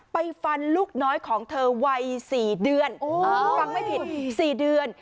ฟันลูกน้อยของเธอวัย๔เดือนฟังไม่ผิด๔เดือน